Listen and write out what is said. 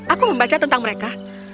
aku membaca tentang mereka